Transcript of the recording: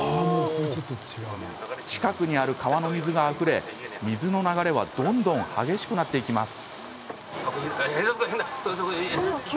近くにある川の水があふれ水の流れはどんどん激しくなっていきます。